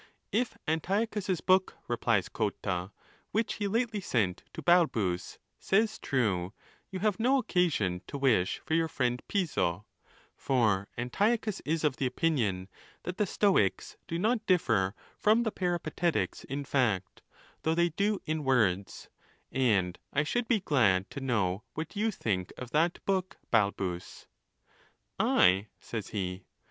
If Antiochus's book, replies Cotta, which he lately sent to Balbus, says true, you have no occasion to wish for your friend Piso ; for Antiochiis is of the opinion that the Sto ics do not diifer from the Peripatetics in fact, though they do in words ; and I should be glad to know what you think of that book, Balbus. I? says he.